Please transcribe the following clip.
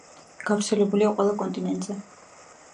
გავრცელებულია ყველა კონტინენტზე.